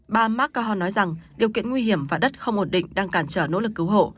ba mark mahon nói rằng điều kiện nguy hiểm và đất không ổn định đang cản trở nỗ lực cứu hộ